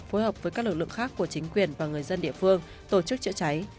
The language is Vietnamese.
phối hợp với các lực lượng khác của chính quyền và người dân địa phương tổ chức chữa cháy